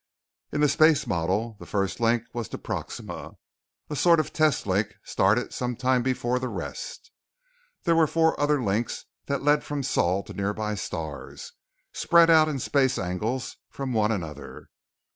In the space model, the first link was to Proxima, a sort of test link started some time before the rest. There were four other links that led from Sol to nearby stars, spread out in space angles from one another.